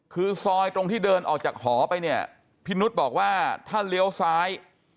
คือซอยตรงที่เดินออกจากหอไปเนี่ยพี่นุษย์บอกว่าถ้าเลี้ยวซ้าย